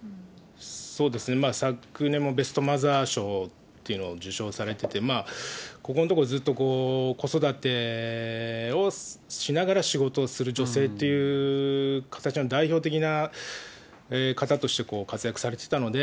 そうですね、昨年もベストマザー賞というのを受賞されてて、ここのところずっと、子育てをしながら仕事をする女性という形の代表的な方として活躍されてたので、